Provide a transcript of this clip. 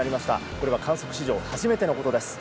これは観測史上初めてのことです。